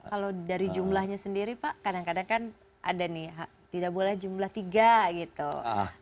kalau dari jumlahnya sendiri pak kadang kadang kan ada nih tidak boleh jumlah tiga gitu